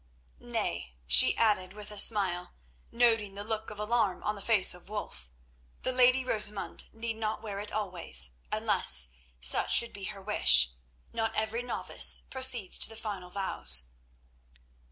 Nay," she added with a smile, noting the look of alarm on the face of Wulf, "the lady Rosamund need not wear it always, unless such should be her wish. Not every novice proceeds to the final vows."